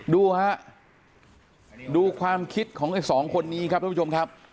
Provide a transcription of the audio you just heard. ดูฮะดูความคิดของไอ้สองคนนี้ครับท่านผู้ชมครับ